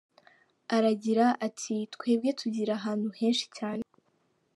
Aragira, ati “twebwe tugera ahantu henshi cyane.